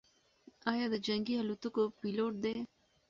ایا ده د جنګي الوتکو پیلوټ دی؟